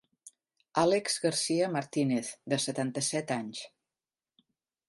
Alex Garcia Martínez, de setanta-set anys.